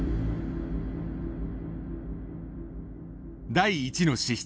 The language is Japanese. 第１の資質